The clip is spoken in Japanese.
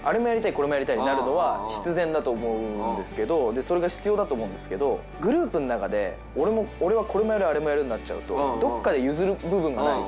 これもやりたいになるのは必然だと思うんですけどでそれが必要だと思うんですけどグループの中で俺はこれもやるあれもやるになっちゃうとどっかで譲る部分がないと。